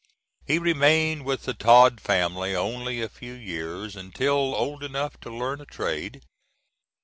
He remained with the Tod family only a few years, until old enough to learn a trade.